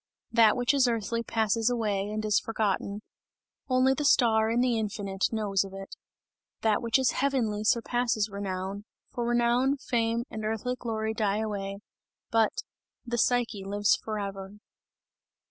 That which is earthly passes away, and is forgotten; only the star in the infinite knows of it. That which is heavenly surpasses renown; for renown, fame and earthly glory die away, but the Psyche lives forever!